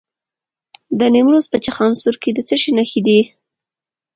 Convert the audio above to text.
د نیمروز په چخانسور کې د څه شي نښې دي؟